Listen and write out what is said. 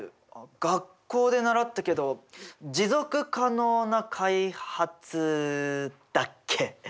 学校で習ったけど持続可能な開発だっけ？